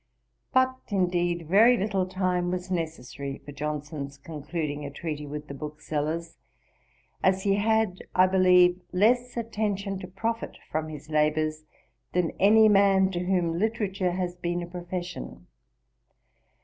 But, indeed, very little time was necessary for Johnson's concluding a treaty with the booksellers; as he had, I believe, less attention to profit from his labours than any man to whom literature has been a profession.